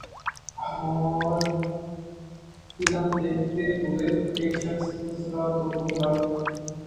horror film دیکھتے ہوئے ایک شخص پراسرار طور پر ہلاک